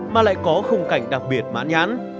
mà lại có khung cảnh đặc biệt mãn nhãn